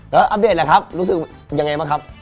แล้วอัปเดตแหละครับรู้สึกยังไงบ้างครับ